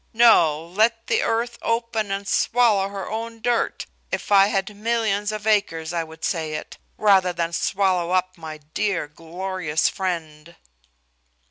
No, let the earth open and swallow her own dirt (if I had millions of acres I would say it) rather than swallow up my dear glorious friend."